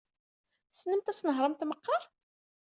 Tessnemt ad tnehṛemt meqqar?